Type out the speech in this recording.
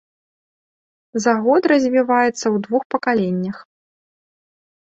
За год развіваецца ў двух пакаленнях.